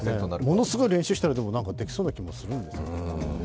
ものすごい練習したらできそうな気もするんですけど。